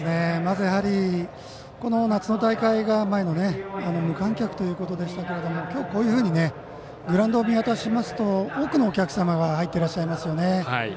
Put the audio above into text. まず、この前の夏の大会が無観客ということでしたが今日、こういうふうにグラウンドを見渡しますと多くのお客様が入ってらっしゃいますよね。